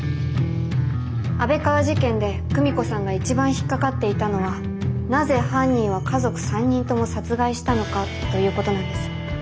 安倍川事件で久美子さんが一番引っ掛かっていたのはなぜ犯人は家族３人とも殺害したのかということなんです。